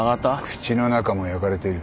口の中も焼かれている。